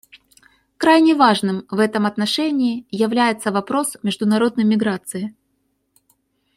Крайне важным в этом отношении является вопрос международной миграции.